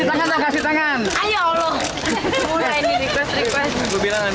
kasih tangan dong kasih tangan